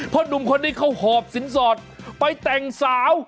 พ่อดุมคนนี้เขาหอบสินสอดไปแต่งสาว